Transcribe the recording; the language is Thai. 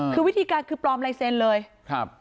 คือวิธีการคือปลอมลายเซ็นของผู้มีอำนาจสั่งจ่ายค่ะ